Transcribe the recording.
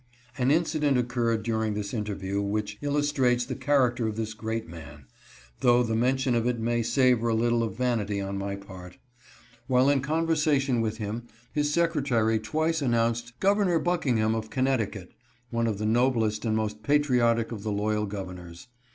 An incident occurred during this interview which illus trates the character of this great man, though the men tion of it may savor a little of vanity on my part. While in conversation with him his Secretary twice announced *' Governor Buckingham of Connecticut," one of the noblest and most patriotic of the loyal governors. Mr.